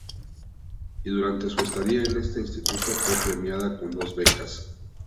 Y durante su estadía en este instituto fue premiada con dos becas.